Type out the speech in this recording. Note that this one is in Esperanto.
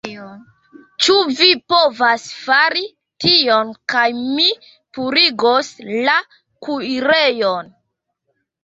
Ĉu vi povas fari tion kaj mi purigos la kuirejon